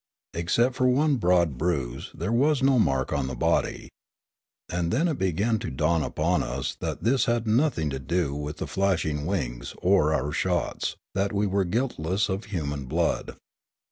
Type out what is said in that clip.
Except for one broad bruise, there was no mark on the body. And then it began to dawn upon us that this had nothing to do with the flashing wings, or our shots, that we were guiltless of human blood.